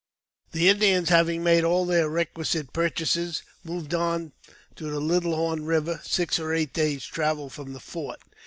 THE Indians having made all their requisite purchases, moved on to the Little Horn Eiver, six or eight days* travel from the fort.